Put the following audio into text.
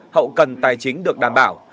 hậu cần tài chính được đảm bảo